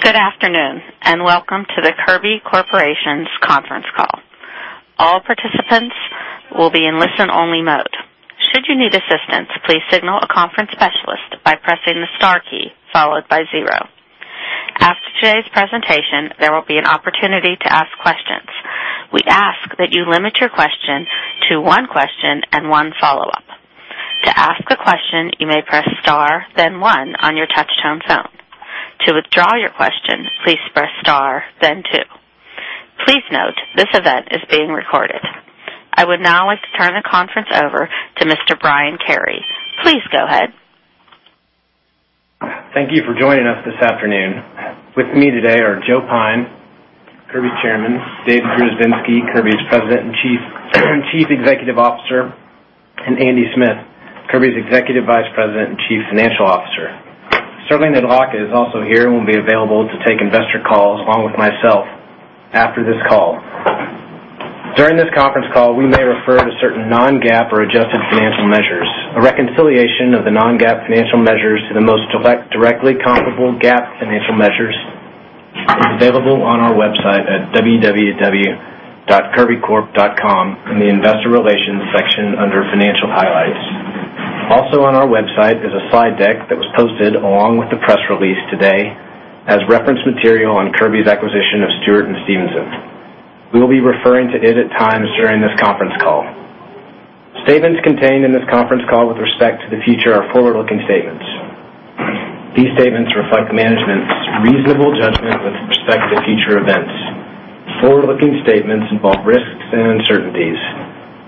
Good afternoon, and welcome to the Kirby Corporation's conference call. All participants will be in listen-only mode. Should you need assistance, please signal a conference specialist by pressing the star key followed by zero. After today's presentation, there will be an opportunity to ask questions. We ask that you limit your question to one question and one follow-up. To ask a question, you may press star, then one on your touch-tone phone. To withdraw your question, please press star, then two. Please note, this event is being recorded. I would now like to turn the conference over to Mr. Brian Carey. Please go ahead. Thank you for joining us this afternoon. With me today are Joe Pyne, Kirby's Chairman, David Grzebinski, Kirby's President and Chief Executive Officer, and Andy Smith, Kirby's Executive Vice President and Chief Financial Officer. Sterling Adlakha is also here and will be available to take investor calls, along with myself, after this call. During this conference call, we may refer to certain non-GAAP or adjusted financial measures. A reconciliation of the non-GAAP financial measures to the most directly comparable GAAP financial measures is available on our website at www.kirbycorp.com in the Investor Relations section under Financial Highlights. Also on our website is a slide deck that was posted along with the press release today as reference material on Kirby's acquisition of Stewart & Stevenson. We will be referring to it at times during this conference call. Statements contained in this conference call with respect to the future are forward-looking statements. These statements reflect management's reasonable judgment with respect to future events. Forward-looking statements involve risks and uncertainties.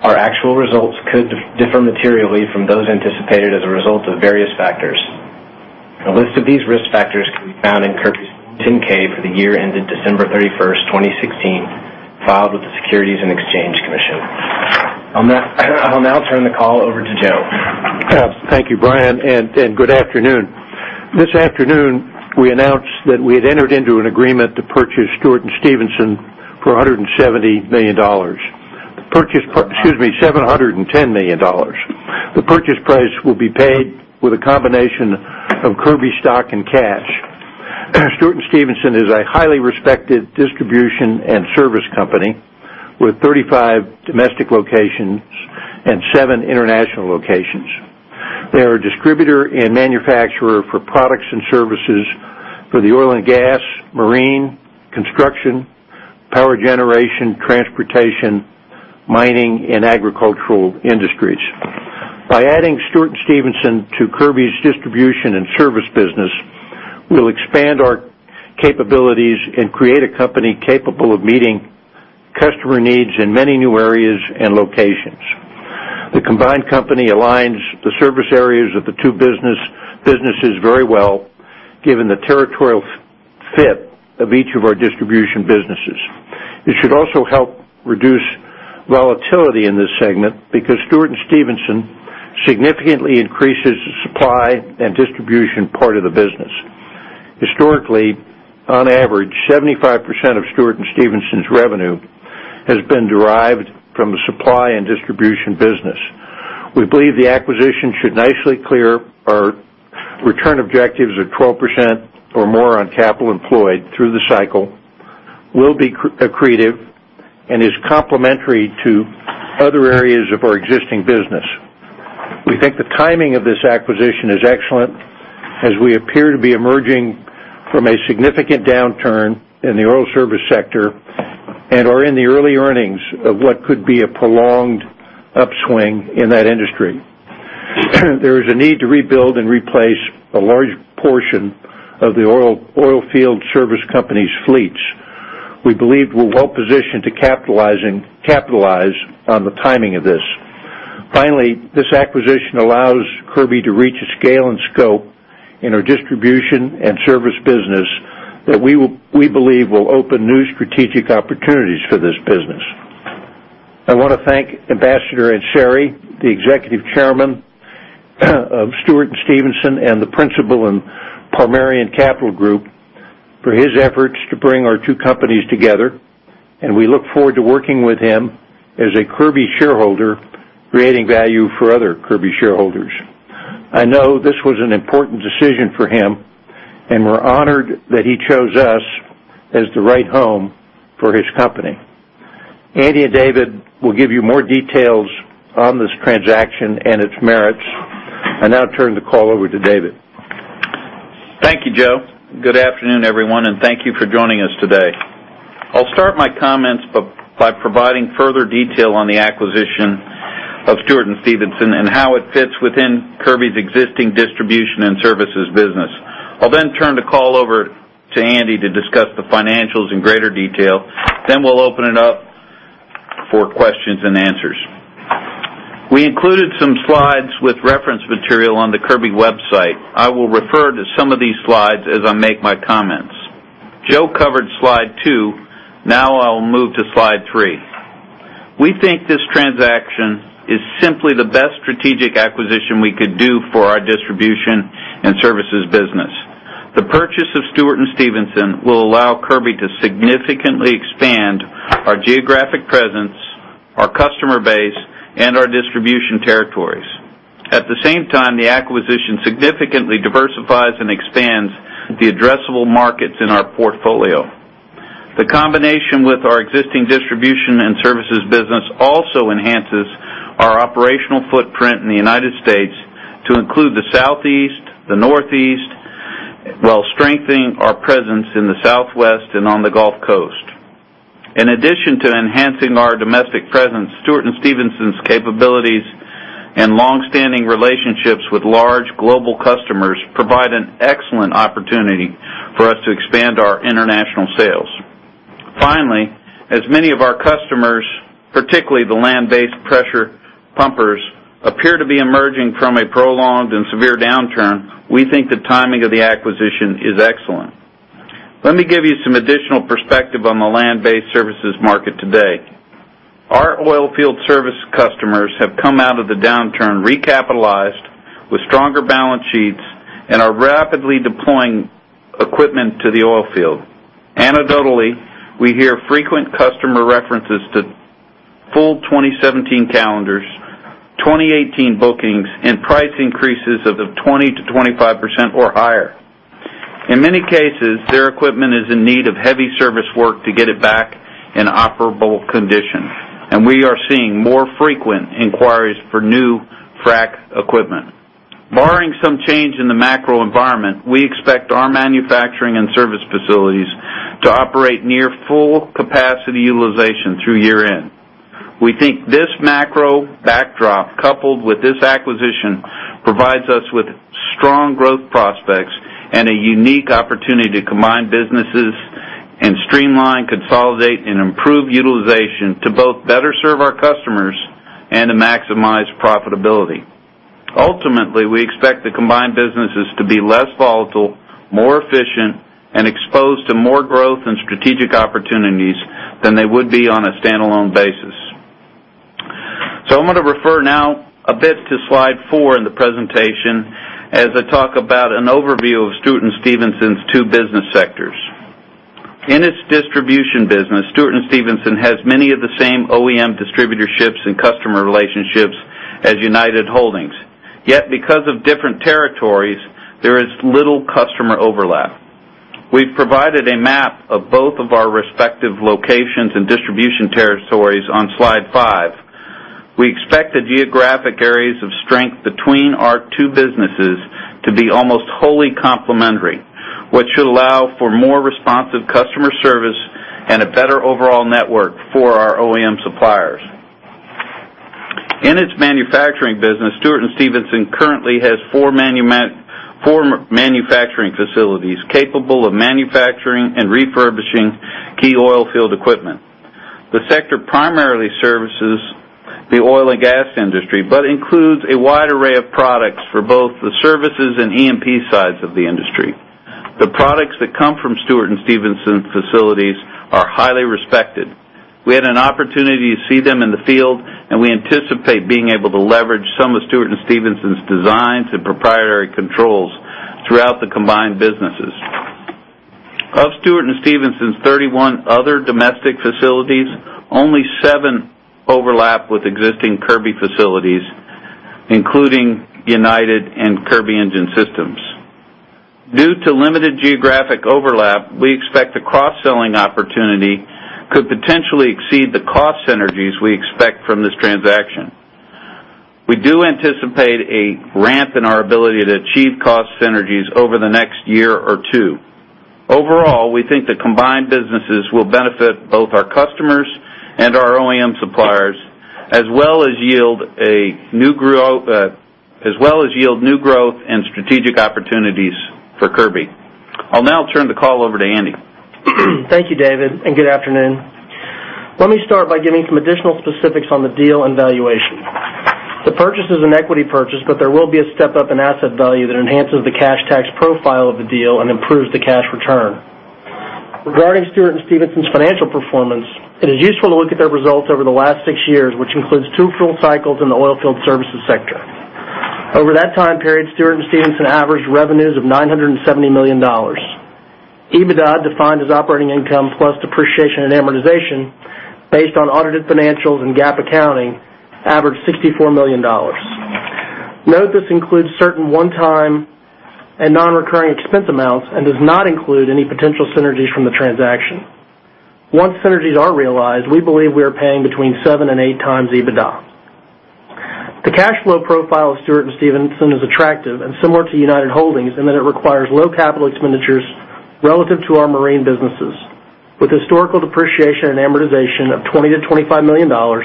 Our actual results could differ materially from those anticipated as a result of various factors. A list of these risk factors can be found in Kirby's 10-K for the year ended December 31, 2016, filed with the Securities and Exchange Commission. On that, I will now turn the call over to Joe. Thank you, Brian, and good afternoon. This afternoon, we announced that we had entered into an agreement to purchase Stewart & Stevenson for $170 million. The purchase. Excuse me, $710 million. The purchase price will be paid with a combination of Kirby stock and cash. Stewart & Stevenson is a highly respected distribution and service company with 35 domestic locations and seven international locations. They are a distributor and manufacturer for products and services for the oil and gas, marine, construction, power generation, transportation, mining, and agricultural industries. By adding Stewart & Stevenson to Kirby's distribution and service business, we'll expand our capabilities and create a company capable of meeting customer needs in many new areas and locations. The combined company aligns the service areas of the two businesses very well, given the territorial fit of each of our distribution businesses. It should also help reduce volatility in this segment because Stewart & Stevenson significantly increases the supply and distribution part of the business. Historically, on average, 75% of Stewart & Stevenson's revenue has been derived from the supply and distribution business. We believe the acquisition should nicely clear our return objectives of 12% or more on capital employed through the cycle, will be accretive, and is complementary to other areas of our existing business. We think the timing of this acquisition is excellent, as we appear to be emerging from a significant downturn in the oil service sector and are in the early innings of what could be a prolonged upswing in that industry. There is a need to rebuild and replace a large portion of the oilfield service companies' fleets. We believe we're well positioned to capitalize on the timing of this. Finally, this acquisition allows Kirby to reach a scale and scope in our distribution and service business that we believe will open new strategic opportunities for this business. I wanna thank Ambassador Ansary, the executive chairman of Stewart & Stevenson, and the principal in Parman Capital Group, for his efforts to bring our two companies together, and we look forward to working with him as a Kirby shareholder, creating value for other Kirby shareholders. I know this was an important decision for him, and we're honored that he chose us as the right home for his company. Andy and David will give you more details on this transaction and its merits. I now turn the call over to David. Thank you, Joe. Good afternoon, everyone, and thank you for joining us today. I'll start my comments by providing further detail on the acquisition of Stewart & Stevenson and how it fits within Kirby's existing distribution and services business. I'll then turn the call over to Andy to discuss the financials in greater detail. Then we'll open it up for questions and answers. We included some slides with reference material on the Kirby website. I will refer to some of these slides as I make my comments. Joe covered slide two. Now I'll move to slide three. We think this transaction is simply the best strategic acquisition we could do for our distribution and services business. The purchase of Stewart & Stevenson will allow Kirby to significantly expand our geographic presence, our customer base, and our distribution territories. At the same time, the acquisition significantly diversifies and expands the addressable markets in our portfolio. The combination with our existing distribution and services business also enhances our operational footprint in the United States to include the Southeast, the Northeast, while strengthening our presence in the Southwest and on the Gulf Coast. In addition to enhancing our domestic presence, Stewart & Stevenson's capabilities and long-standing relationships with large global customers provide an excellent opportunity for us to expand our international sales. Finally, as many of our customers, particularly the land-based pressure pumpers, appear to be emerging from a prolonged and severe downturn, we think the timing of the acquisition is excellent. Let me give you some additional perspective on the land-based services market today. Our oil field service customers have come out of the downturn recapitalized, with stronger balance sheets, and are rapidly deploying equipment to the oil field. Anecdotally, we hear frequent customer references to full 2017 calendars, 2018 bookings, and price increases of 20%-25% or higher. In many cases, their equipment is in need of heavy service work to get it back in operable condition, and we are seeing more frequent inquiries for new frac equipment. Barring some change in the macro environment, we expect our manufacturing and ser vice facilities to operate near full capacity utilization through year-end. We think this macro backdrop, coupled with this acquisition, provides us with strong growth prospects and a unique opportunity to combine businesses and streamline, consolidate, and improve utilization to both better serve our customers and to maximize profitability. Ultimately, we expect the combined businesses to be less volatile, more efficient, and exposed to more growth and strategic opportunities than they would be on a standalone basis. So I'm going to refer now a bit to slide four in the presentation as I talk about an overview of Stewart & Stevenson's two business sectors. In its distribution business, Stewart & Stevenson has many of the same OEM distributorships and customer relationships as United Holdings. Yet, because of different territories, there is little customer overlap. We've provided a map of both of our respective locations and distribution territories on slide five. We expect the geographic areas of strength between our two businesses to be almost wholly complementary, which should allow for more responsive customer service and a better overall network for our OEM suppliers. In its manufacturing business, Stewart & Stevenson currently has four manufacturing facilities capable of manufacturing and refurbishing key oil field equipment. The sector primarily services the oil and gas industry, but includes a wide array of products for both the services and E&P sides of the industry. The products that come from Stewart & Stevenson facilities are highly respected. We had an opportunity to see them in the field, and we anticipate being able to leverage some of Stewart & Stevenson's designs and proprietary controls throughout the combined businesses. Of Stewart & Stevenson's 31 other domestic facilities, only seven overlap with existing Kirby facilities, including United and Kirby Engine Systems. Due to limited geographic overlap, we expect the cross-selling opportunity could potentially exceed the cost synergies we expect from this transaction. We do anticipate a ramp in our ability to achieve cost synergies over the next year or two. Overall, we think the combined businesses will benefit both our customers and our OEM suppliers, as well as yield new growth and strategic opportunities for Kirby. I'll now turn the call over to Andy. Thank you, David, and good afternoon. Let me start by giving some additional specifics on the deal and valuation. The purchase is an equity purchase, but there will be a step-up in asset value that enhances the cash tax profile of the deal and improves the cash return. Regarding Stewart & Stevenson's financial performance, it is useful to look at their results over the last six years, which includes two full cycles in the oilfield services sector. Over that time period, Stewart & Stevenson averaged revenues of $970 million. EBITDA, defined as operating income plus depreciation and amortization, based on audited financials and GAAP accounting, averaged $64 million. Note, this includes certain one-time and non-recurring expense amounts and does not include any potential synergies from the transaction. Once synergies are realized, we believe we are paying between seven and 8x EBITDA. The cash flow profile of Stewart & Stevenson is attractive and similar to United Holdings in that it requires low capital expenditures relative to our marine businesses, with historical depreciation and amortization of $20 million-$25 million, or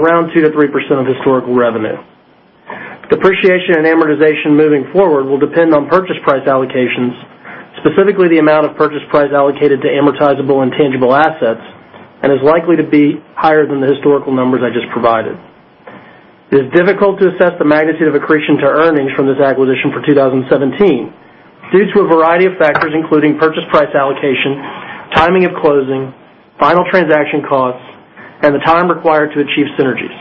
around 2%-3% of historical revenue. Depreciation and amortization moving forward will depend on purchase price allocations, specifically the amount of purchase price allocated to amortizable and tangible assets, and is likely to be higher than the historical numbers I just provided. It is difficult to assess the magnitude of accretion to earnings from this acquisition for 2017 due to a variety of factors, including purchase price allocation, timing of closing, final transaction costs, and the time required to achieve synergies.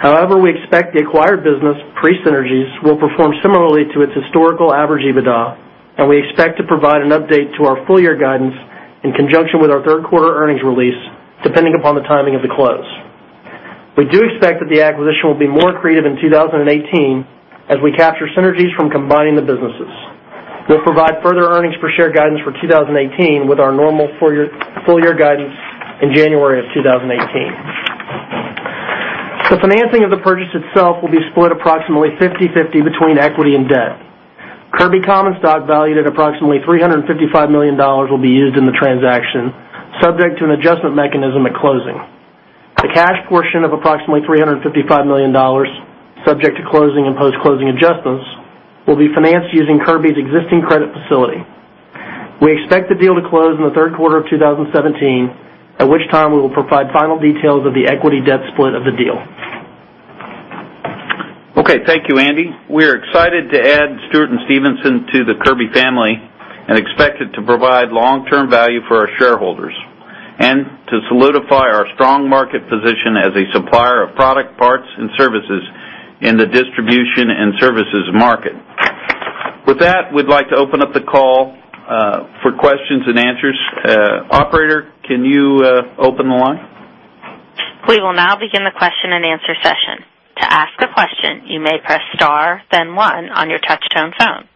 However, we expect the acquired business, pre-synergies, will perform similarly to its historical average, EBITDA, and we expect to provide an update to our full year guidance in conjunction with our third quarter earnings release, depending upon the timing of the close. We do expect that the acquisition will be more accretive in 2018, as we capture synergies from combining the businesses. We'll provide further earnings per share guidance for 2018 with our normal full year, full year guidance in January of 2018. The financing of the purchase itself will be split approximately 50/50 between equity and debt. Kirby common stock, valued at approximately $355 million, will be used in the transaction, subject to an adjustment mechanism at closing. The cash portion of approximately $355 million, subject to closing and post-closing adjustments, will be financed using Kirby's existing credit facility. We expect the deal to close in the third quarter of 2017, at which time we will provide final details of the equity debt split of the deal. Okay. Thank you, Andy. We are excited to add Stewart & Stevenson to the Kirby family, and expect it to provide long-term value for our shareholders, and to solidify our strong market position as a supplier of product, parts, and services in the distribution and services market. With that, we'd like to open up the call for questions and answers. Operator, can you open the line? We will now begin the question-and-answer session. To ask a question, you may press star, then one on your touchtone phone.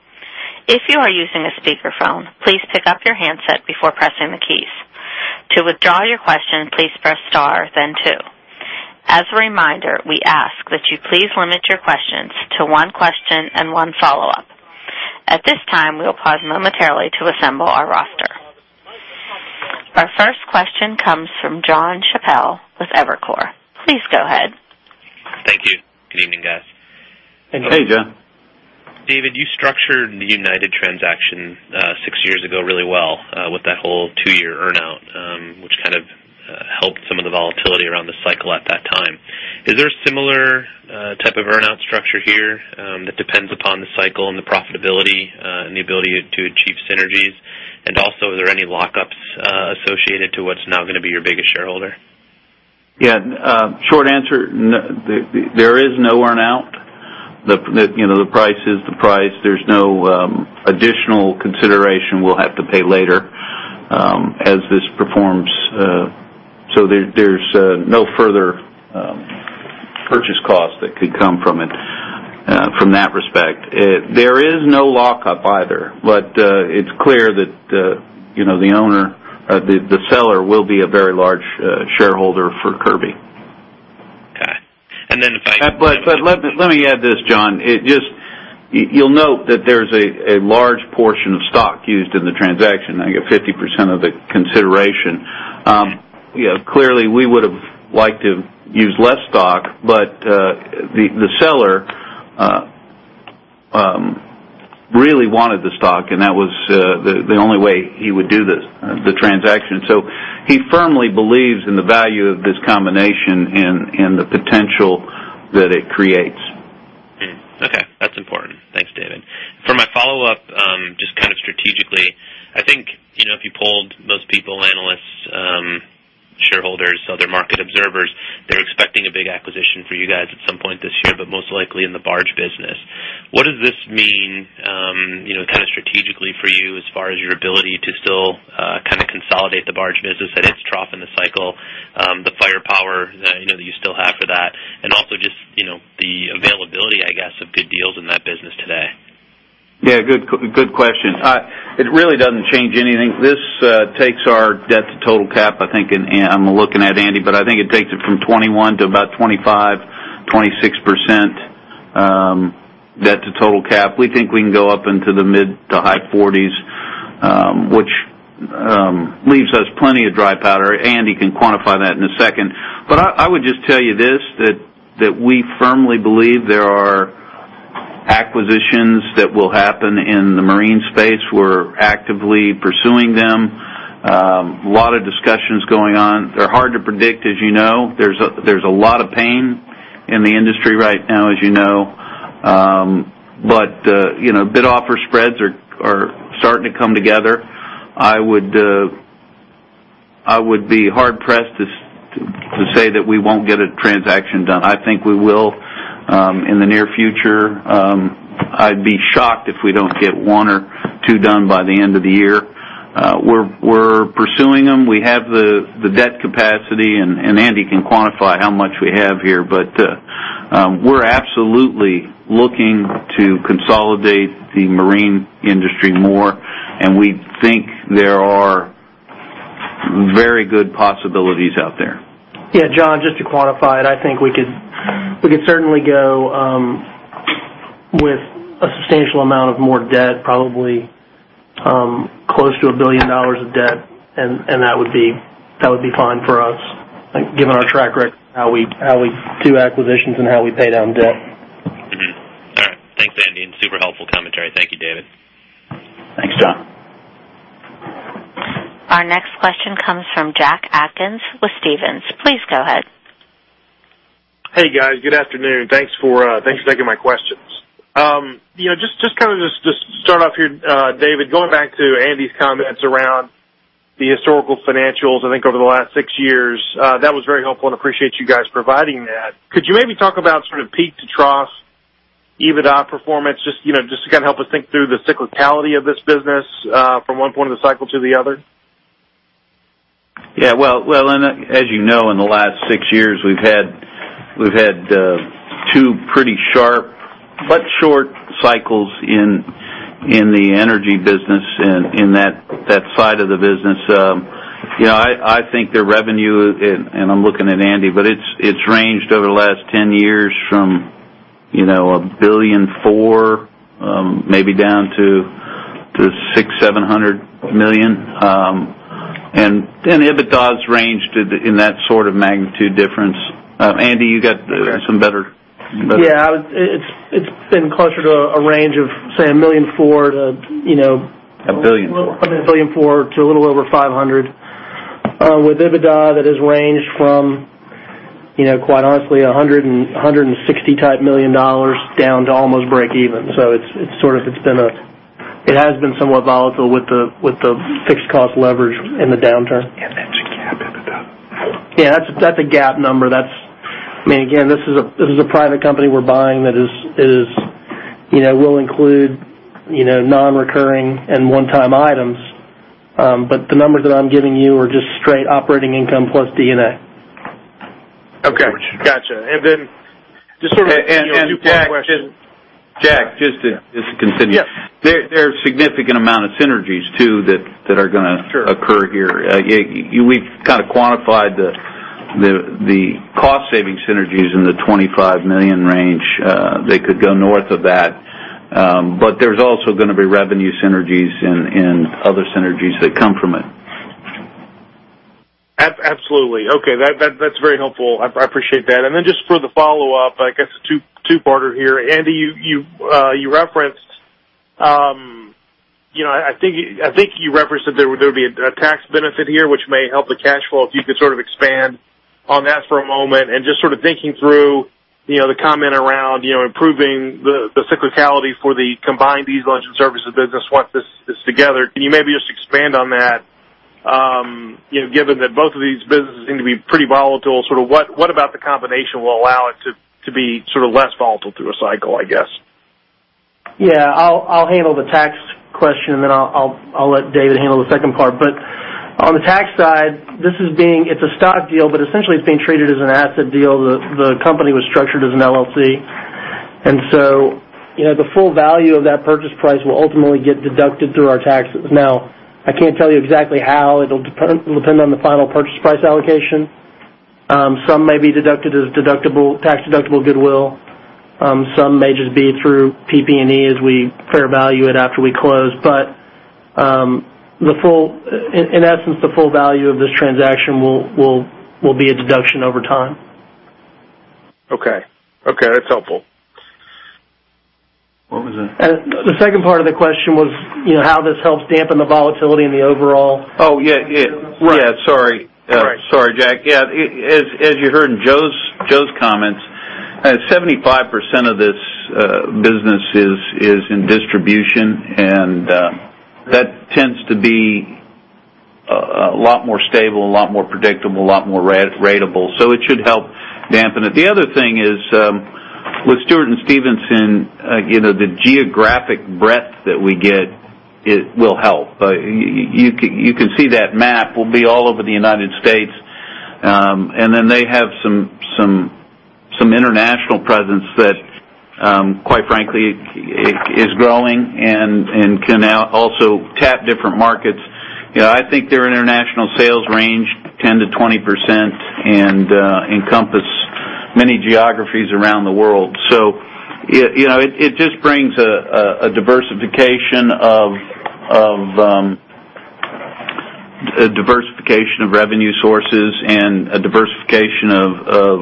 If you are using a speakerphone, please pick up your handset before pressing the keys. To withdraw your question, please press star, then two. As a reminder, we ask that you please limit your questions to one question and one follow-up. At this time, we will pause momentarily to assemble our roster. Our first question comes from Jon Chappell with Evercore. Please go ahead. Thank you. Good evening, guys. Hey, Jon. David, you structured the United transaction, six years ago really well, with that whole two-year earn-out, which kind of, helped some of the volatility around the cycle at that time. Is there a similar, type of earn-out structure here, that depends upon the cycle and the profitability, and the ability to achieve synergies? And also, is there any lockups, associated to what's now gonna be your biggest shareholder? Yeah, short answer, there is no earn-out. The, you know, the price is the price. There's no additional consideration we'll have to pay later, as this performs, so there's no further purchase costs that could come from it, from that respect. There is no lockup either, but it's clear that, you know, the owner, the seller will be a very large shareholder for Kirby. Okay. And then if I- But let me add this, Jon. It just—you'll note that there's a large portion of stock used in the transaction, I think, 50% of the consideration. You know, clearly, we would've liked to use less stock, but the seller really wanted the stock, and that was the only way he would do this transaction. So he firmly believes in the value of this combination and the potential that it creates. Okay, that's important. Thanks, David. For my follow-up, just kind of strategically, I think, you know, if you polled most people, analysts, shareholders, other market observers, they're expecting a big acquisition for you guys at some point this year, but most likely in the barge business. What does this mean, you know, kind of strategically for you as far as your ability to still kind of consolidate the barge business at its trough in the cycle, the firepower that you know, that you still have for that, and also just, you know, the availability, I guess, of good deals in that business today? Yeah, good, good question. It really doesn't change anything. This takes our debt to total cap, I think, in, I'm looking at Andy, but I think it takes it from 21 to about 25%-26%, debt to total cap. We think we can go up into the mid- to high 40s, which leaves us plenty of dry powder. Andy can quantify that in a second. But I, I would just tell you this, that, that we firmly believe there are acquisitions that will happen in the marine space. We're actively pursuing them. A lot of discussions going on. They're hard to predict, as you know. There's a, there's a lot of pain in the industry right now, as you know. But, you know, bid offer spreads are, are starting to come together. I would be hard pressed to say that we won't get a transaction done. I think we will in the near future. I'd be shocked if we don't get one or two done by the end of the year. We're pursuing them. We have the debt capacity, and Andy can quantify how much we have here. But we're absolutely looking to consolidate the marine industry more, and we think there are very good possibilities out there. Yeah, John, just to quantify it, I think we could, we could certainly go with a substantial amount of more debt, probably close to $1 billion of debt, and, and that would be, that would be fine for us, given our track record, how we, how we do acquisitions and how we pay down debt. All right. Thanks, Andy, and super helpful commentary. Thank you, David. Thanks, Jon. Our next question comes from Jack Atkins with Stephens. Please go ahead. Hey, guys, good afternoon. Thanks for taking my questions. You know, just to start off here, David, going back to Andy's comments around the historical financials, I think, over the last six years. That was very helpful, and appreciate you guys providing that. Could you maybe talk about sort of peak to trough EBITDA performance? Just, you know, just to kind of help us think through the cyclicality of this business, from one point of the cycle to the other. Yeah, well, as you know, in the last six years, we've had two pretty sharp but short cycles in the energy business and in that side of the business. You know, I think their revenue, and I'm looking at Andy, but it's ranged over the last 10 years from, you know, $1.4 billion, maybe down to $600 million-$700 million. And EBITDA's ranged in that sort of magnitude difference. Andy, you got some better Yeah, it's been closer to a range of, say, $1.4 million to, you know- $1.4 billion. $1.4 billion to a little over $500 million. With EBITDA, that has ranged from, you know, quite honestly, hundred and sixty-type million dollars down to almost break even. So it's sort of, it's been a... It has been somewhat volatile with the fixed cost leverage in the downturn. That's a gap at the bottom. Yeah, that's a gap number. That's... I mean, again, this is a private company we're buying that is, you know, will include, you know, non-recurring and one-time items. But the numbers that I'm giving you are just straight operating income plus D&A. Okay. Gotcha. And then, just sort of a two-part question- Jack, just to continue. Yes. There are a significant amount of synergies, too, that are gonna- Sure - occur here. We've kind of quantified the cost saving synergies in the $25 million range. They could go north of that, but there's also gonna be revenue synergies and other synergies that come from it. Absolutely. Okay, that's very helpful. I appreciate that. And then just for the follow-up, I guess a two-parter here. Andy, you referenced, you know, I think you referenced that there would be a tax benefit here, which may help the cash flow. If you could sort of expand on that for a moment, and just sort of thinking through, you know, the comment around, you know, improving the cyclicality for the combined diesel engine services business, once this is together. Can you maybe just expand on that? You know, given that both of these businesses seem to be pretty volatile, sort of what about the combination will allow it to be sort of less volatile through a cycle, I guess? Yeah, I'll handle the tax question, and then I'll let David handle the second part. But on the tax side, this is being... It's a stock deal, but essentially it's being treated as an asset deal. The company was structured as an LLC, and so, you know, the full value of that purchase price will ultimately get deducted through our taxes. Now, I can't tell you exactly how. It'll depend on the final purchase price allocation. Some may be deducted as deductible, tax-deductible goodwill. Some may just be through PP&E as we fair value it after we close. But the full, in essence, the full value of this transaction will be a deduction over time. Okay. Okay, that's helpful. What was that? The second part of the question was, you know, how this helps dampen the volatility in the overall? Oh, yeah, yeah. Right. Yeah, sorry. All right. Sorry, Jack. Yeah, as you heard in Joe's comments, 75% of this business is in distribution, and that tends to be a lot more stable, a lot more predictable, a lot more ratable. So it should help dampen it. The other thing is, with Stewart & Stevenson, you know, the geographic breadth that we get, it will help. You can see that map. We'll be all over the United States, and then they have some international presence that, quite frankly, is growing and can now also tap different markets. You know, I think their international sales range 10%-20% and encompass many geographies around the world. So you know, it just brings a diversification of revenue sources and a diversification of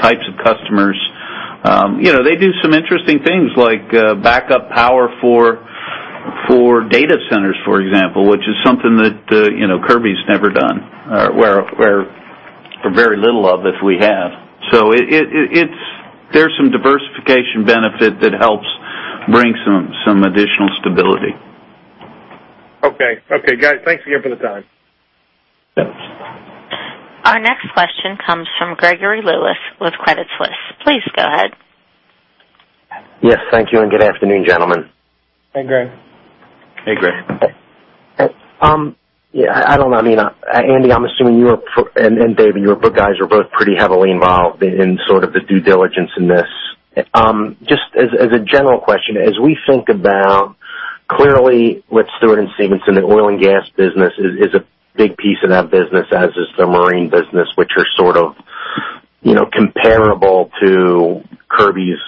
types of customers. You know, they do some interesting things, like backup power for data centers, for example, which is something that you know, Kirby's never done, or where very little of, if we have. So there's some diversification benefit that helps bring some additional stability. Okay. Okay, guys, thanks again for the time. Yeah. Our next question comes from Gregory Lewis with Credit Suisse. Please go ahead. Yes, thank you, and good afternoon, gentlemen. Hey, Greg. Hey, Greg. Yeah, I don't know. I mean, Andy, I'm assuming you and David, you guys are both pretty heavily involved in sort of the due diligence in this. Just as a general question, as we think about, clearly with Stewart & Stevenson, the oil and gas business is a big piece of that business, as is the marine business, which are sort of, you know, comparable to Kirby's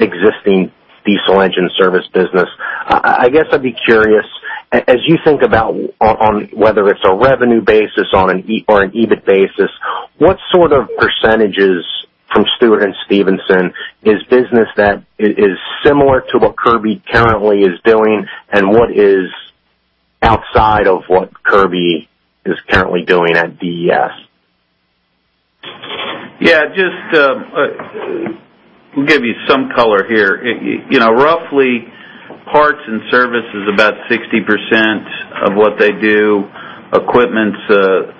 existing diesel engine service business. I guess I'd be curious, as you think about on whether it's a revenue basis or an EBITDA or an EBIT basis, what sort of percentages from Stewart & Stevenson is business that is similar to what Kirby currently is doing, and what is outside of what Kirby is currently doing at DES? Yeah, just, we'll give you some color here. You know, roughly, parts and service is about 60% of what they do. Equipment's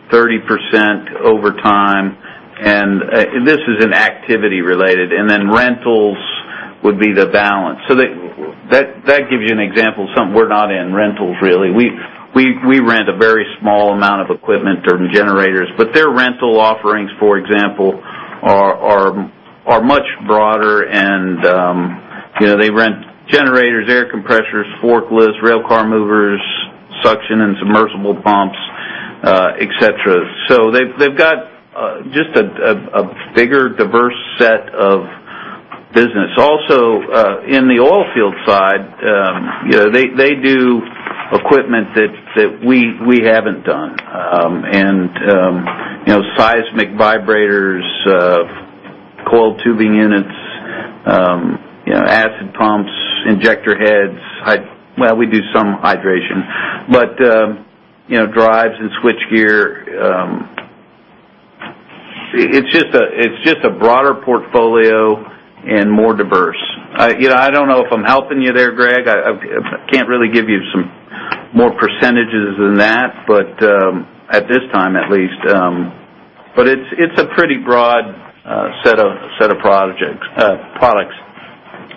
30% over time, and this is activity related, and then rentals would be the balance. So that gives you an example of something we're not in, rentals, really. We rent a very small amount of equipment or generators, but their rental offerings, for example, are much broader and, you know, they rent generators, air compressors, forklifts, rail car movers, suction and submersible pumps, et cetera. So they've got just a bigger, diverse set of business. Also, in the oil field side, you know, they do equipment that we haven't done. And, you know, seismic vibrators, coiled tubing units, you know, acid pumps, injector heads. Well, we do some hydration, but, you know, drives and switchgear. It's just a broader portfolio and more diverse. You know, I don't know if I'm helping you there, Greg. I can't really give you some more percentages than that, but at this time, at least. But it's a pretty broad set of projects, products,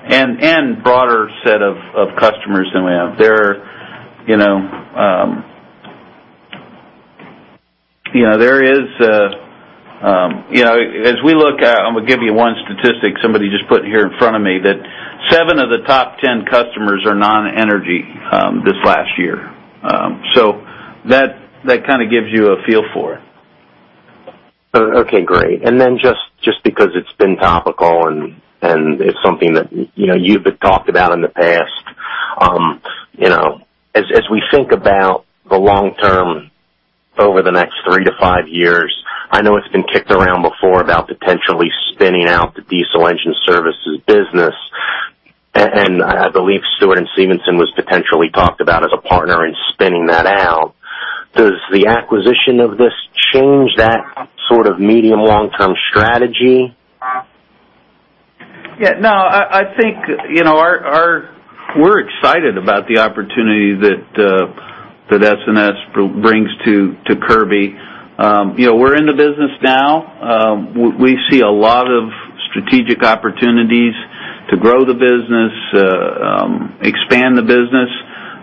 and broader set of customers than we have. There, you know, you know, there is, you know, as we look at, I'm gonna give you one statistic somebody just put here in front of me, that seven of the top 10 customers are non-energy, this last year. So that, that kind of gives you a feel for it. Okay, great. And then just, just because it's been topical and, and it's something that, you know, you've talked about in the past. You know, as, as we think about the long term over the next three to five years, I know it's been kicked around before about potentially spinning out the diesel engine services business, and I believe Stewart & Stevenson was potentially talked about as a partner in spinning that out. Does the acquisition of this change that sort of medium, long-term strategy? Yeah, no, I think, you know, our we're excited about the opportunity that S&S brings to Kirby. You know, we're in the business now. We see a lot of strategic opportunities to grow the business, expand the business.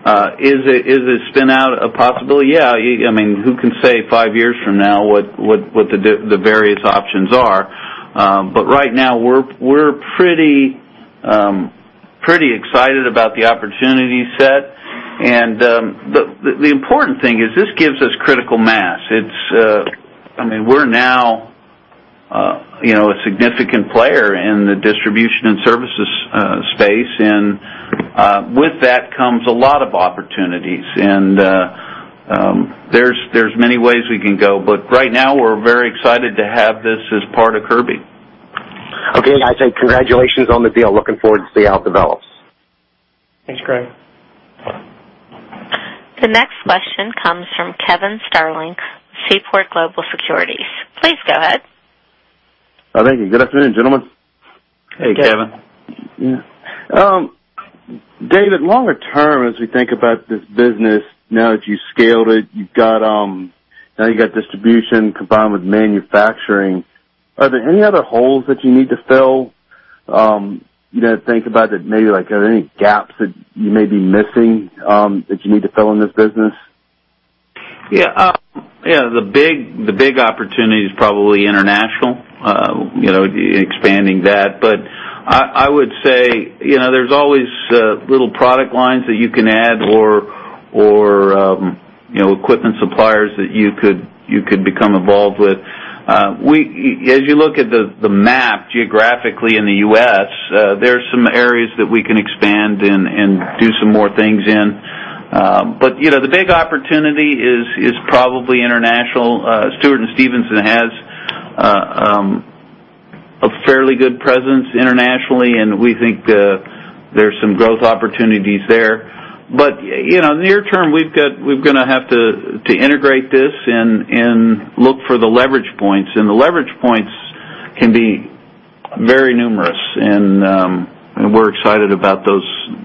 Is a spin out a possibility? Yeah, I mean, who can say five years from now, what the various options are? But right now, we're pretty excited about the opportunity set. And the important thing is this gives us critical mass. It's-- I mean, we're now, you know, a significant player in the distribution and services space, and there's many ways we can go, but right now, we're very excited to have this as part of Kirby. Okay. I say congratulations on the deal. Looking forward to see how it develops. Thanks, Greg. The next question comes from Kevin Sterling, Seaport Global Securities. Please go ahead. Thank you. Good afternoon, gentlemen. Hey, Kevin. Yeah. David, longer term, as we think about this business, now that you scaled it, you've got, now you've got distribution combined with manufacturing, are there any other holes that you need to fill? You know, think about that maybe, like, are there any gaps that you may be missing, that you need to fill in this business? Yeah, yeah, the big, the big opportunity is probably international, you know, expanding that. But I would say, you know, there's always little product lines that you can add or, or you know, equipment suppliers that you could become involved with. We, as you look at the map geographically in the U.S., there are some areas that we can expand and do some more things in. But, you know, the big opportunity is probably international. Stewart & Stevenson has a fairly good presence internationally, and we think there's some growth opportunities there. But, you know, near term, we've got, we're gonna have to integrate this and look for the leverage points, and the leverage points can be very numerous, and we're excited about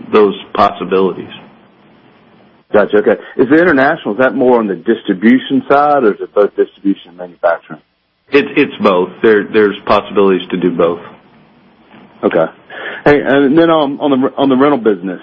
those possibilities. Gotcha. Okay. Is the international, is that more on the distribution side, or is it both distribution and manufacturing? It's both. There's possibilities to do both. Okay. Hey, and then on the rental business,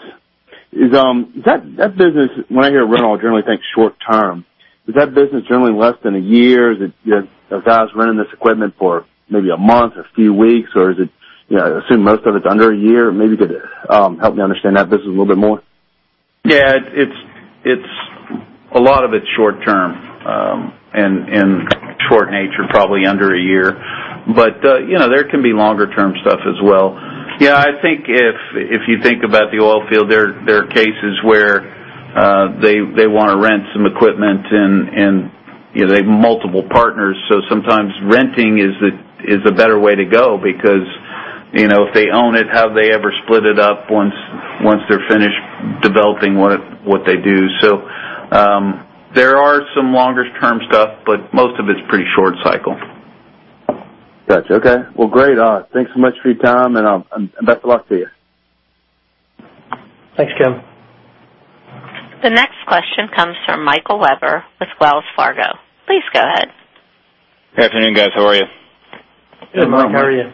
is that business, when I hear rental, I generally think short term. Is that business generally less than a year? Is it, you know, a guy's renting this equipment for maybe a month, a few weeks, or is it, you know, I assume most of it's under a year. Maybe you could help me understand that business a little bit more. Yeah, it's a lot of it's short term, and short nature, probably under a year. But, you know, there can be longer-term stuff as well. Yeah, I think if you think about the oil field, there are cases where they wanna rent some equipment and, you know, they have multiple partners, so sometimes renting is a better way to go because, you know, if they own it, have they ever split it up once they're finished developing what they do? So, there are some longer term stuff, but most of it's pretty short cycle. Got you. Okay. Well, great. Thanks so much for your time, and best of luck to you. Thanks, Kevin. The next question comes from Michael Webber with Wells Fargo. Please go ahead. Good afternoon, guys. How are you? Good morning. How are you?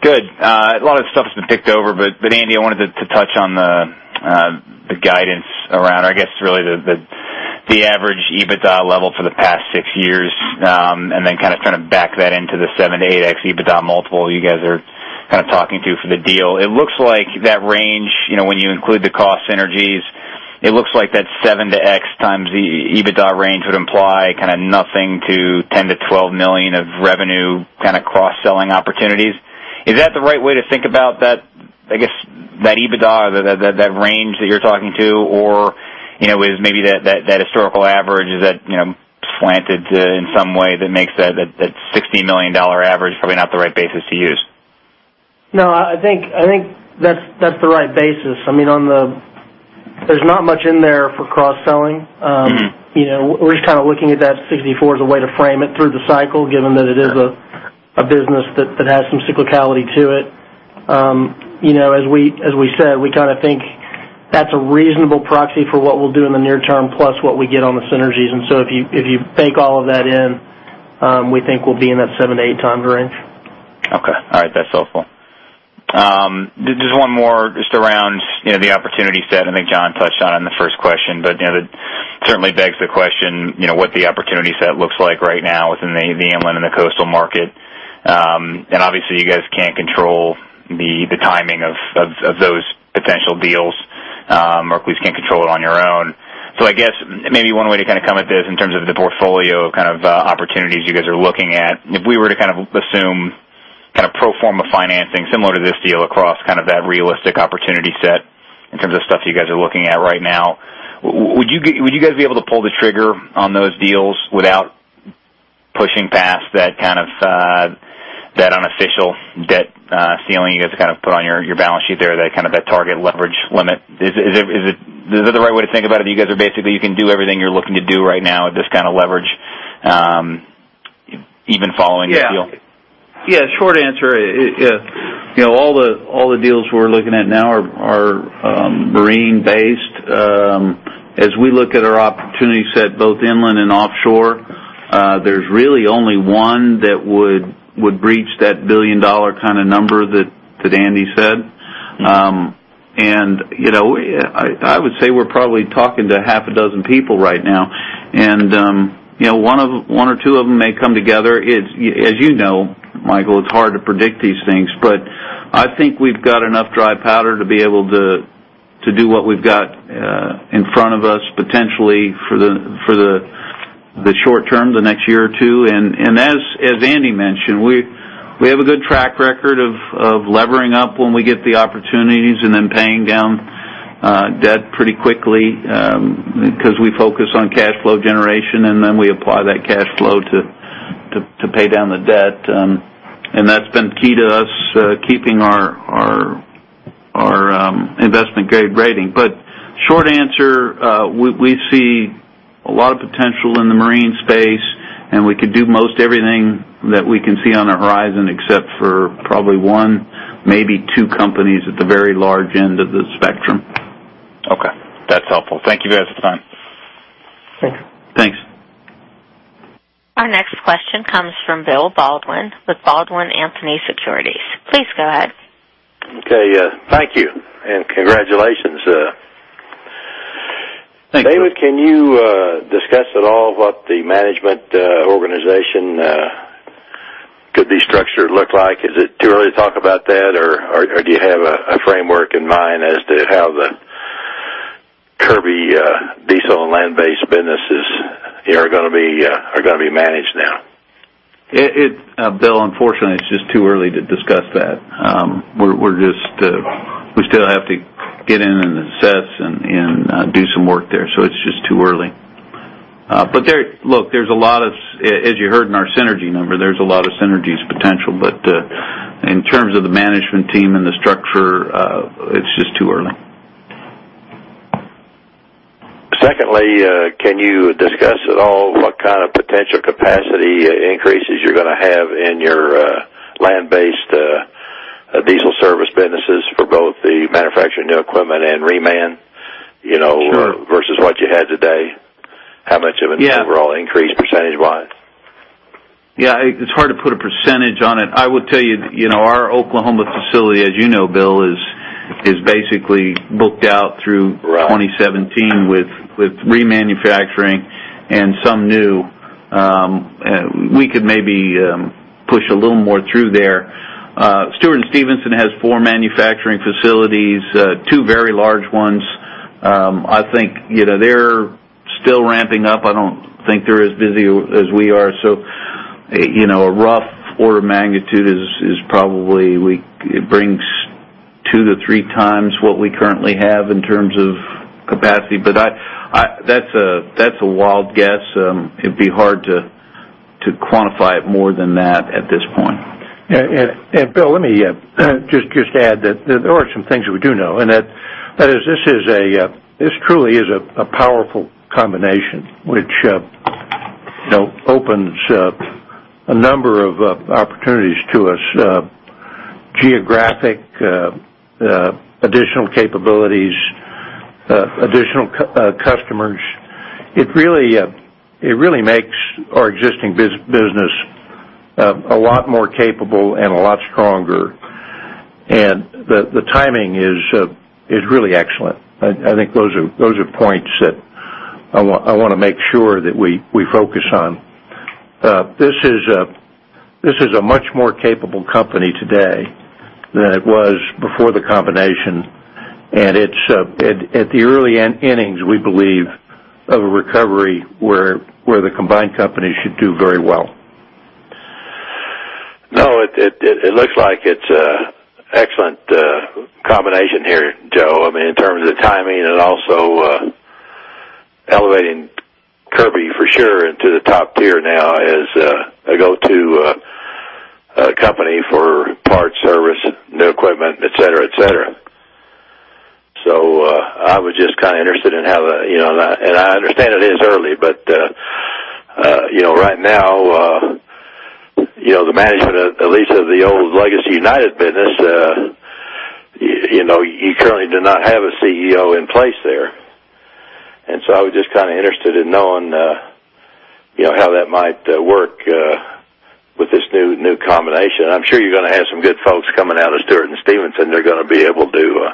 Good. A lot of the stuff has been picked over, but, Andy, I wanted to touch on the guidance around, I guess, really the average EBITDA level for the past six years, and then kind of trying to back that into the seven to 8x EBITDA multiple you guys are kind of talking to for the deal. It looks like that range, you know, when you include the cost synergies. It looks like that seven to X-times the EBITDA range would imply kind of nothing to $10 million-$12 million of revenue, kind of cross-selling opportunities. Is that the right way to think about that, I guess, that EBITDA, or that range that you're talking to, or, you know, is maybe that historical average, is that, you know, slanted to in some way that makes that $60 million average probably not the right basis to use? No, I think that's the right basis. I mean, on the... There's not much in there for cross-selling. You know, we're just kind of looking at that 64 as a way to frame it through the cycle, given that it is a business that has some cyclicality to it. You know, as we said, we kind of think that's a reasonable proxy for what we'll do in the near term, plus what we get on the synergies. And so if you bake all of that in, we think we'll be in that seven to 8x range. Okay. All right. That's helpful. Just one more just around, you know, the opportunity set, and I think John touched on it in the first question, but, you know, it certainly begs the question, you know, what the opportunity set looks like right now within the inland and the coastal market. And obviously, you guys can't control the timing of those potential deals. Or at least can't control it on your own. So I guess maybe one way to kind of come at this in terms of the portfolio kind of opportunities you guys are looking at, if we were to kind of assume kind of pro forma financing similar to this deal across kind of that realistic opportunity set in terms of stuff you guys are looking at right now, would you guys be able to pull the trigger on those deals without pushing past that kind of that unofficial debt ceiling you guys kind of put on your your balance sheet there, that kind of that target leverage limit? Is it the right way to think about it, but you guys are basically you can do everything you're looking to do right now at this kind of leverage even following the deal? Yeah. Yeah, short answer, you know, all the deals we're looking at now are marine-based. As we look at our opportunity set, both inland and offshore, there's really only one that would breach that billion-dollar kind of number that Andy said. And, you know, I would say we're probably talking to half a dozen people right now, and you know, one or two of them may come together. It's, as you know, Michael, it's hard to predict these things, but I think we've got enough dry powder to be able to do what we've got in front of us, potentially for the short term, the next year or two. As Andy mentioned, we have a good track record of levering up when we get the opportunities and then paying down debt pretty quickly, because we focus on cash flow generation, and then we apply that cash flow to pay down the debt. And that's been key to us keeping our investment-grade rating. But short answer, we see a lot of potential in the marine space, and we could do most everything that we can see on the horizon, except for probably one, maybe two companies at the very large end of the spectrum. Okay. That's helpful. Thank you, guys, for the time. Thanks. Thanks. Our next question comes from Bill Baldwin with Baldwin Anthony Securities. Please go ahead. Okay, thank you, and congratulations. Thank you. David, can you discuss at all what the management organization could be structured look like? Is it too early to talk about that, or do you have a framework in mind as to how the Kirby diesel and land-based businesses here are gonna be managed now? Bill, unfortunately, it's just too early to discuss that. We're just... We still have to get in and assess and do some work there, so it's just too early. But look, there's a lot of, as you heard in our synergy number, there's a lot of synergies potential, but in terms of the management team and the structure, it's just too early. Secondly, can you discuss at all what kind of potential capacity increases you're gonna have in your land-based diesel service businesses for both the manufacturing new equipment and reman, you know- Sure. versus what you had today? How much of an- Yeah. - overall increase, percentage-wise? Yeah, it's hard to put a percentage on it. I would tell you, you know, our Oklahoma facility, as you know, Bill, is basically booked out through- Right... 2017 with, with remanufacturing and some new, we could maybe push a little more through there. Stewart & Stevenson has four manufacturing facilities, two very large ones. I think, you know, they're still ramping up. I don't think they're as busy as we are. So, you know, a rough order of magnitude is probably it brings two to three times what we currently have in terms of capacity. But I, that's a wild guess. It'd be hard to quantify it more than that at this point. Yeah, and Bill, let me just add that there are some things that we do know, and that is this is a, this truly is a powerful combination, which, you know, opens a number of opportunities to us, geographic additional capabilities, additional customers. It really, it really makes our existing business a lot more capable and a lot stronger. And the timing is really excellent. I think those are points that I want, I wanna make sure that we focus on. This is a much more capable company today than it was before the combination, and it's at the early innings, we believe, of a recovery where the combined company should do very well. No, it looks like it's an excellent combination here, Joe. I mean, in terms of the timing and also elevating Kirby, for sure, into the top tier now as a go-to company for parts, service, new equipment, et cetera, et cetera. So, I was just kind of interested in how the-- You know, and I understand it is early, but you know, right now, you know, the management, at least of the old legacy United business, you know, you currently do not have a CEO in place there. And so I was just kind of interested in knowing, you know, how that might work with this new combination. I'm sure you're gonna have some good folks coming out of Stewart & Stevenson. They're gonna be able to,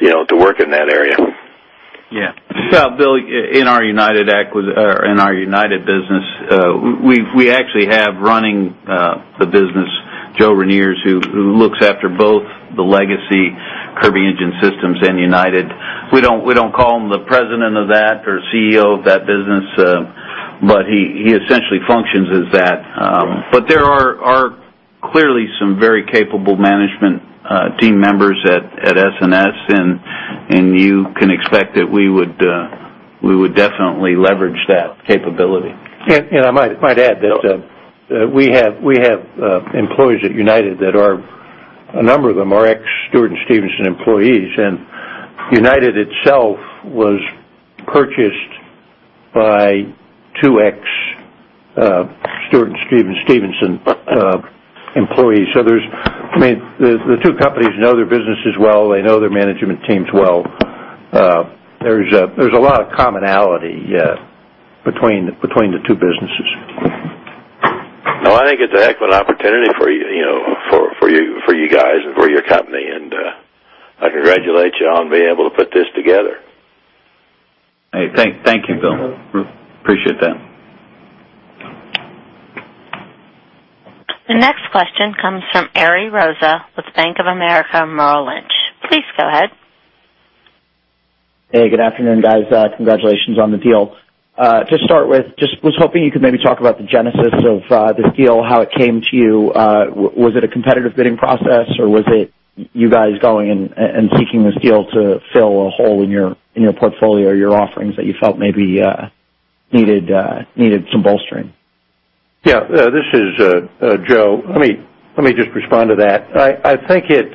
you know, to work in that area. Yeah. Well, Bill, in our United business, we actually have running the business, Joe Reniers, who looks after both the legacy Kirby Engine Systems and United. We don't call him the president of that or CEO of that business, but he essentially functions as that. But there are clearly some very capable management team members at SNS, and you can expect that we would definitely leverage that capability. I might add that we have employees at United that are, a number of them are ex-Stewart & Stevenson employees, and United itself was purchased by two ex-Stewart & Stevenson employees. So there's. I mean, the two companies know their businesses well. They know their management teams well. There's a lot of commonality between the two businesses. No, I think it's a heck of an opportunity for you, you know, for you guys and for your company, and I congratulate you on being able to put this together. Hey, thank you, Bill. Appreciate that. The next question comes from Ari Rosa with Bank of America Merrill Lynch. Please go ahead. Hey, good afternoon, guys. Congratulations on the deal. To start with, just was hoping you could maybe talk about the genesis of this deal, how it came to you. Was it a competitive bidding process, or was it you guys going and seeking this deal to fill a hole in your portfolio or your offerings that you felt maybe needed some bolstering? Yeah, this is Joe. Let me just respond to that. I think it,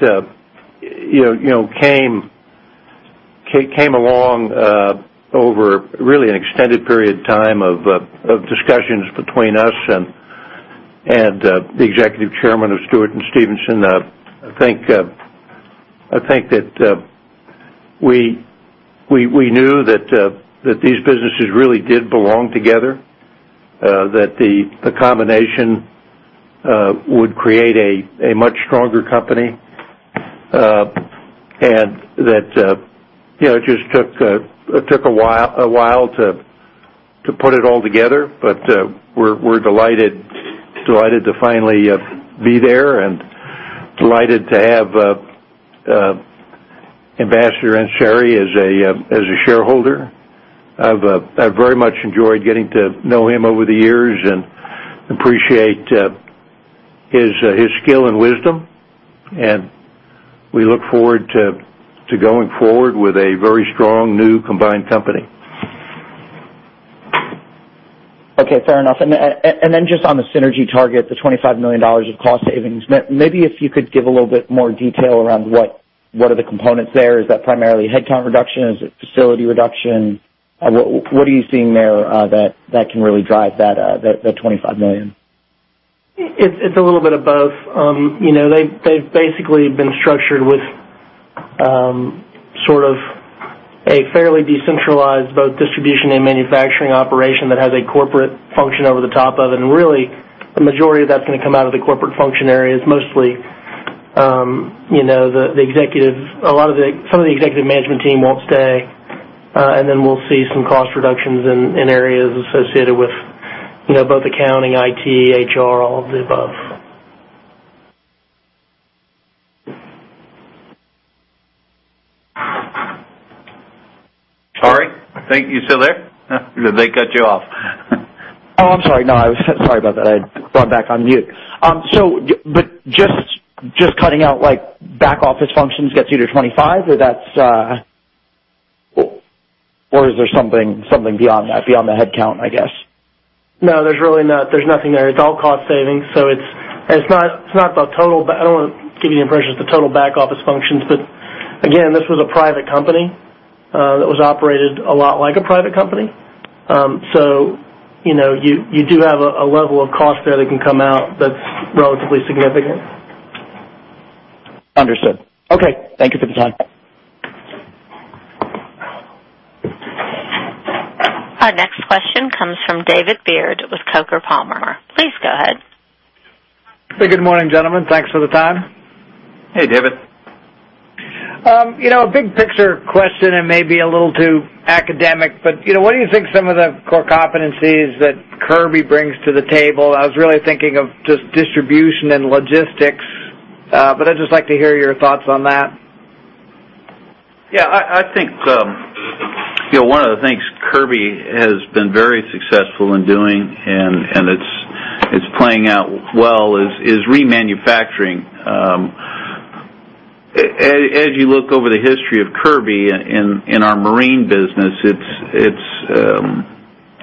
you know, came along over really an extended period of time of discussions between us and the executive chairman of Stewart & Stevenson. I think that we knew that these businesses really did belong together, that the combination would create a much stronger company, and that, you know, it just took a while to put it all together. But we're delighted to finally be there and delighted to have Ambassador Ansary as a shareholder. I've very much enjoyed getting to know him over the years and appreciate his skill and wisdom, and we look forward to going forward with a very strong, new combined company. Okay, fair enough. And then just on the synergy target, the $25 million of cost savings, maybe if you could give a little bit more detail around what are the components there? Is that primarily headcount reduction? Is it facility reduction? What are you seeing there that can really drive that $25 million? It's a little bit of both. You know, they've basically been structured with sort of a fairly decentralized, both distribution and manufacturing operation, that has a corporate function over the top of it. And really, the majority of that's gonna come out of the corporate function area is mostly, you know, the executive. Some of the executive management team won't stay, and then we'll see some cost reductions in areas associated with, you know, both accounting, IT, HR, all of the above. Thank you. You still there? Did they cut you off? Oh, I'm sorry. No, I was sorry about that. I was back on mute. So, but just, just cutting out, like, back office functions gets you to 25, or that's, or is there something, something beyond that? Beyond the headcount, I guess. No, there's really not. There's nothing there. It's all cost savings, so it's not the total, but I don't want to give you the impression it's the total back office functions. But again, this was a private company that was operated a lot like a private company. So, you know, you do have a level of cost there that can come out that's relatively significant. Understood. Okay. Thank you for the time. Our next question comes from David Beard with Coker & Palmer. Please go ahead. Hey, good morning, gentlemen. Thanks for the time. Hey, David. You know, a big picture question, and maybe a little too academic, but, you know, what do you think some of the core competencies that Kirby brings to the table? I was really thinking of just distribution and logistics, but I'd just like to hear your thoughts on that. Yeah, I think, you know, one of the things Kirby has been very successful in doing, and it's playing out well, is remanufacturing. As you look over the history of Kirby in our marine business, it's,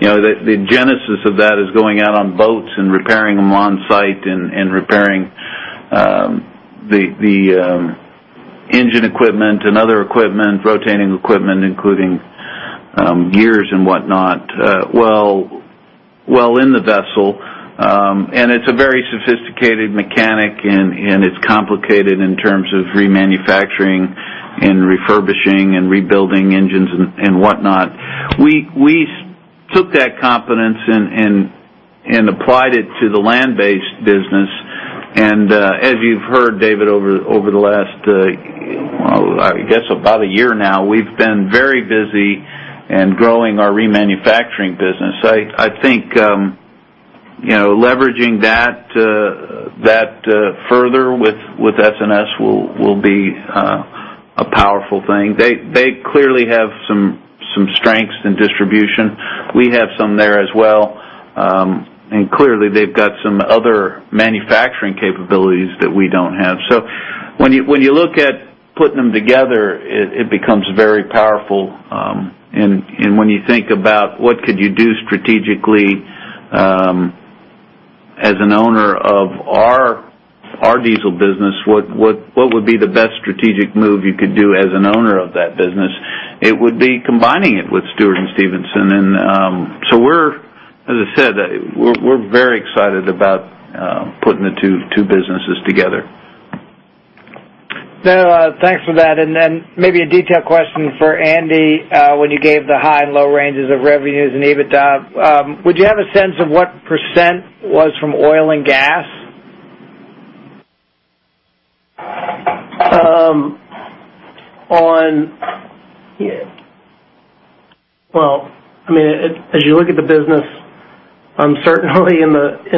you know, the genesis of that is going out on boats and repairing them on site and repairing the engine equipment and other equipment, rotating equipment, including gears and whatnot, well in the vessel. And it's a very sophisticated mechanic, and it's complicated in terms of remanufacturing and refurbishing and rebuilding engines and whatnot. We took that confidence and applied it to the land-based business. And, as you've heard, David, over the last, well, I guess about a year now, we've been very busy in growing our remanufacturing business. I think, you know, leveraging that further with S&S will be a powerful thing. They clearly have some strengths in distribution. We have some there as well. And clearly, they've got some other manufacturing capabilities that we don't have. So when you look at putting them together, it becomes very powerful. And when you think about what could you do strategically, as an owner of our diesel business, what would be the best strategic move you could do as an owner of that business? It would be combining it with Stewart & Stevenson. So we're, as I said, very excited about putting the two businesses together. So, thanks for that. And then maybe a detailed question for Andy. When you gave the high and low ranges of revenues and EBITDA, would you have a sense of what percent was from oil and gas? Well, I mean, as you look at the business, certainly in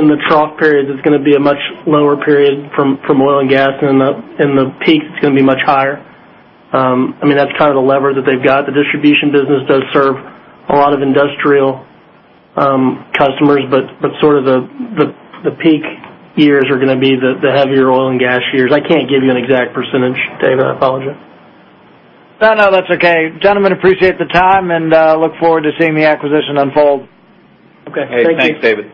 the trough periods, it's gonna be a much lower period from oil and gas, and in the peak, it's gonna be much higher. I mean, that's kind of the lever that they've got. The distribution business does serve a lot of industrial customers, but sort of the peak years are gonna be the heavier oil and gas years. I can't give you an exact percentage, David. I apologize. No, no, that's okay. Gentlemen, appreciate the time, and look forward to seeing the acquisition unfold. Okay. Hey, thanks, David.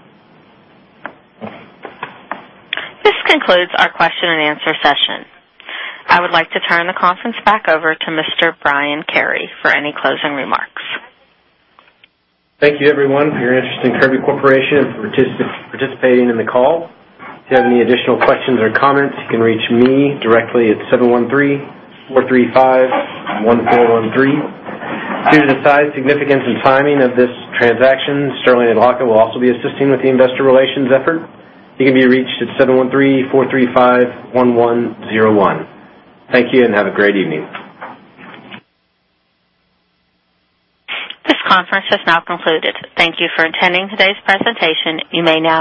This concludes our question and answer session. I would like to turn the conference back over to Mr. Brian Carey for any closing remarks. Thank you, everyone, for your interest in Kirby Corporation and for participating in the call. If you have any additional questions or comments, you can reach me directly at 713-435-1413. Due to the size, significance, and timing of this transaction, Sterling Adlakha will also be assisting with the investor relations effort. He can be reached at 713-435-1101. Thank you, and have a great evening. This conference is now concluded. Thank you for attending today's presentation. You may now disconnect.